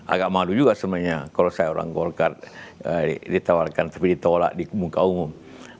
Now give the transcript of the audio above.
agak malu juga sebenarnya kalau saya orang golkar ditawarkan tapi ditolak di muka umum